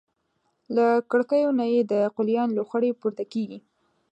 له کړکیو نه یې د قلیان لوخړې پورته کېږي.